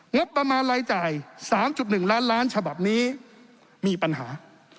งบประมาณรายจ่าย๓๑ล้านล้านฉบับนี้มีปัญหา